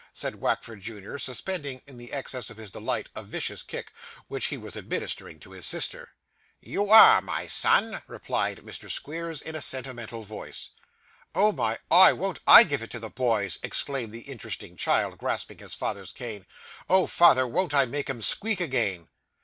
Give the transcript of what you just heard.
said Wackford junior, suspending, in the excess of his delight, a vicious kick which he was administering to his sister. 'You are, my son,' replied Mr. Squeers, in a sentimental voice. 'Oh my eye, won't I give it to the boys!' exclaimed the interesting child, grasping his father's cane. 'Oh, father, won't I make 'em squeak again!